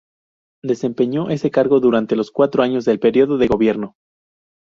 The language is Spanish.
Desempeñó ese cargo durante los cuatro años del período de gobierno.